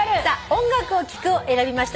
「音楽を聞く」を選びました